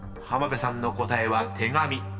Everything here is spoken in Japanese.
［浜辺さんの答えは手紙］